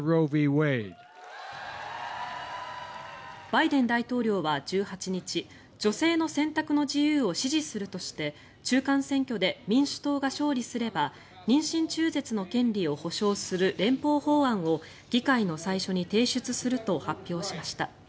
バイデン大統領は１８日女性の選択の自由を支持するとして中間選挙で民主党が勝利すれば妊娠中絶の権利を保障する連邦法案を議会の最初に提出すると発表しました。